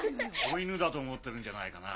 子犬だと思ってるんじゃないかな。